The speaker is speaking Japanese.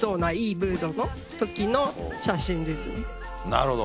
なるほど。